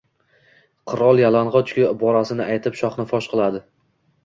“Qirol yalang‘och-ku!” iborasini aytib, shohni fosh qiladi.